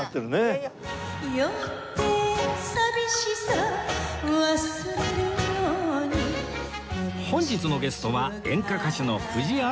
「酔って淋しさ忘れるように」本日のゲストは演歌歌手の藤あや子さん